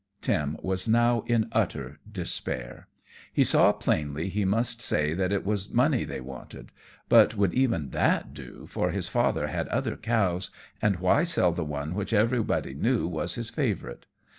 Tim was now in utter despair. He saw plainly he must say that it was money they wanted. But would even that do, for his father had other cows, and why sell the one which everybody knew was the favourite?